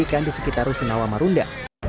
tapi juga diperkirakan di sekitar rusunawa marunda